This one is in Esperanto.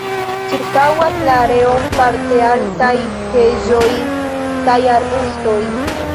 Ĉirkaŭas la areon parte altaj heĝoj kaj arbustoj.